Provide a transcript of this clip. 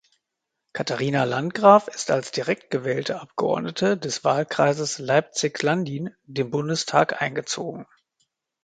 Katharina Landgraf ist als direkt gewählte Abgeordnete des Wahlkreises Leipzig-Landin den Bundestag eingezogen.